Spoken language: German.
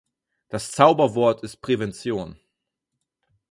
Das Zauberwort ist Prävention.